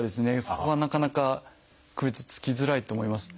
そこはなかなか区別つきづらいと思います。